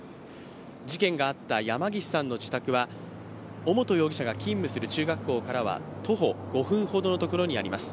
事件があった山岸さんの自宅は尾本容疑者が勤務する中学校からは徒歩５分ほどのところにあります。